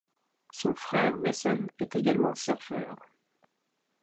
Son frère Mason est également surfeur.